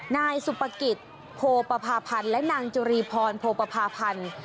นายสุปกิจโพปภาพันธ์และนางจุรีพรโพปภาพันธ์